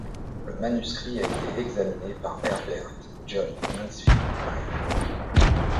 Le manuscrit a été examiné par Herbert John Mansfield Milne.